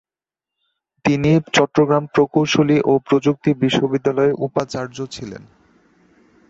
তিনি চট্টগ্রাম প্রকৌশল ও প্রযুক্তি বিশ্ববিদ্যালয়ের উপাচার্য ছিলেন।